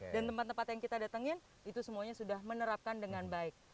dan tempat tempat yang kita datangkan itu semuanya sudah menerapkan dengan baik